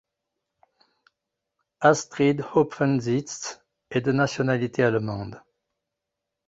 Astrid Hopfensitz est de nationalité allemande.